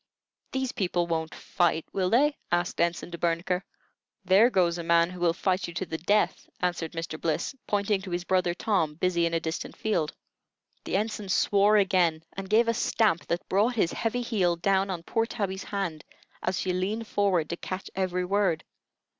"These people won't fight, will they?" asked Ensign De Bernicre. "There goes a man who will fight you to the death," answered Mr. Bliss, pointing to his brother Tom, busy in a distant field. The Ensign swore again, and gave a stamp that brought his heavy heel down on poor Tabby's hand, as she leaned forward to catch every word.